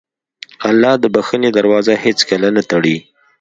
الله د بښنې دروازه هېڅکله نه تړي.